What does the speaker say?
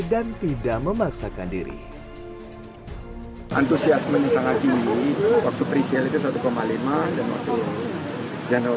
dan tidak memaksakan diri antusiasmen sangat tinggi waktu presale itu satu lima dan waktu general